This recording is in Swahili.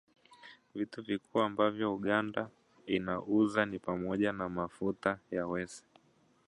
Vitu vikuu ambavyo Uganda inauza ni pamoja na mafuta ya mawese